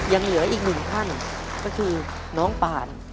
ยังเหลืออีกหนึ่งท่านก็คือน้องปาน